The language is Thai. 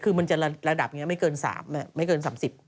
คือมันจะระดับนี้ไม่เกินไม่เกิน๓๐